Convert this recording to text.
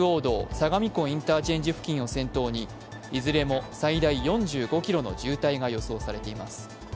相模湖インターチェンジ付近を先頭にいずれも最大４５ｋｍの渋滞が予想されています。